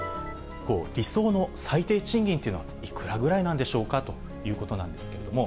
理想の最低賃金というのはいくらぐらいなんでしょうかということなんですけれども。